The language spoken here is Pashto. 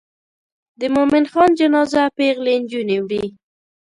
د مومن خان جنازه پیغلې نجونې وړي.